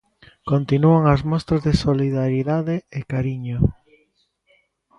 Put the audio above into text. Continúan as mostras de solidariedade e cariño.